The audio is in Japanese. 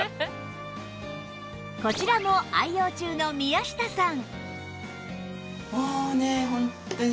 こちらも愛用中の宮下さん